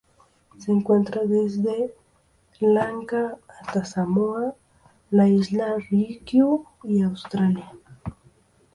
Se encuentra desde Sri Lanka hasta Samoa, las Islas Ryukyu y Australia.